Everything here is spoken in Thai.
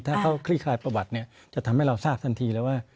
ถ้าเขาคลี่คลายประวัติเนี่ยจะทำให้เราทราบทันทีแล้วว่า